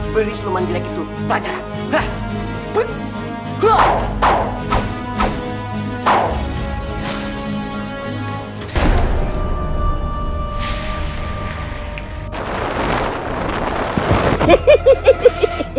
beri seluman jelek itu pelajaran